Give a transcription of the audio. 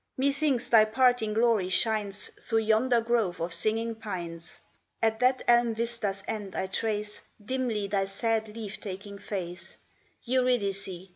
Methinks thy parting glory shines Through yonder grove of singing pines; At that elm vista's end I trace Dimly thy sad leave taking face, Eurydice!